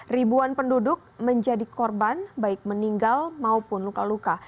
ribuan penduduk menjadi korban baik meninggal maupun luka luka